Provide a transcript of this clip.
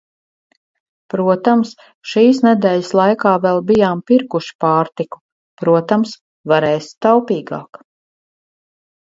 Protams, šīs nedēļas laikā vēl bijām pirkuši pārtiku, protams, var ēst taupīgāk.